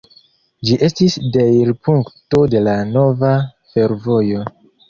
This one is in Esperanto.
Ĝi estis deirpunkto de la nova fervojo.